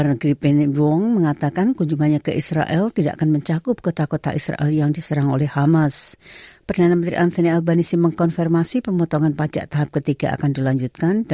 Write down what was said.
bagaimana menurut anda apakah keputusan tersebut akan menyebabkan kegiatan tersebut